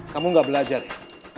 kamu gak belajar ya